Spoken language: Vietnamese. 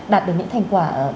đạt được những thành quả